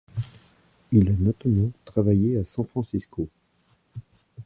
Il a notamment travaillé à San Francisco.